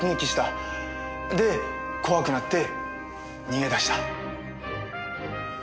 で怖くなって逃げ出した。